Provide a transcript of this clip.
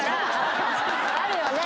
あるよね！